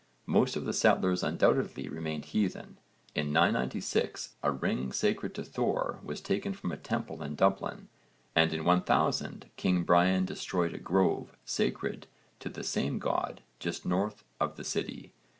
Most of the settlers undoubtedly remained heathen in 996 a ring sacred to Thor was taken from a temple in Dublin and in 1000 king Brian destroyed a grove sacred to the same god just north of the city.